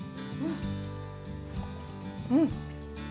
うん！